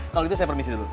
kalau gitu saya permisi dulu